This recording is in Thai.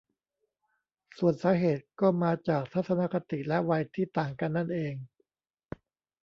ส่วนสาเหตุก็มาจากทัศนคติและวัยที่ต่างกันนั่นเอง